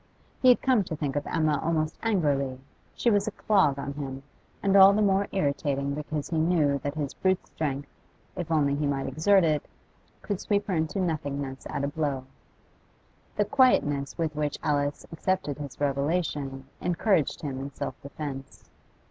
He had come to think of Emma almost angrily; she was a clog on him, and all the more irritating because he knew that his brute strength, if only he might exert it, could sweep her into nothingness at a blow. The quietness with which Alice accepted his revelation encouraged him in self defence.